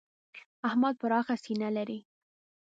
احمد پراخه سینه لري.